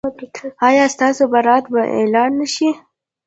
ایا ستاسو برات به اعلان نه شي؟